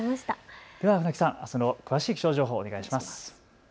船木さん、あすの詳しい気象情報お願いします。